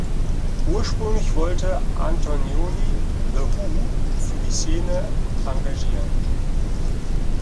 Ursprünglich wollte Antonioni "The Who" für die Szene engagieren.